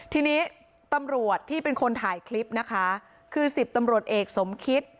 ทีนี้ตำรวจที่เป็นคนถ่ายคลิปนะคะคือสิบตำรวจเอกสมคิต